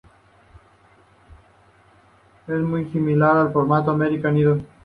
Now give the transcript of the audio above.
Es muy similar al formato de "American Idol".